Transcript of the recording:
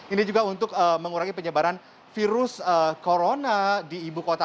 ini juga untuk mengurangi penyebaran virus corona di ibu kota